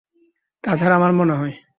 তা ছাড়া আমার মনে হয়।